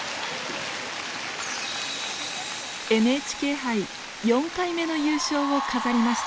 ＮＨＫ杯４回目の優勝を飾りました。